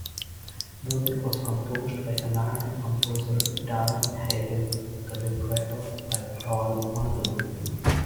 Music was composed by American composer Daron Hagen with a libretto by Paul Muldoon.